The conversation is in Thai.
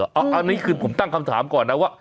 อันนี้คือผมตั้งคำถามก่อนนะว่า